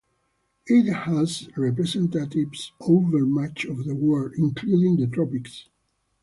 It has representatives over much of the world, including the tropics.